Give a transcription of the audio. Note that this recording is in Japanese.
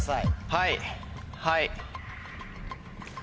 はいはい。